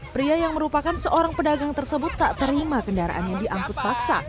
pria yang merupakan seorang pedagang tersebut tak terima kendaraannya diangkut paksa